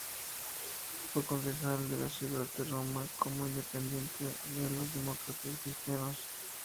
Fue concejal de la ciudad de Roma como independiente en los demócratas cristianos.